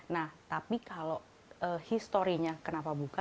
nah tapi kalau historinya kenapa buka